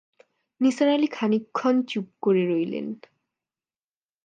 নিসার আলি খানিকক্ষণ চুপ করে রইলেন।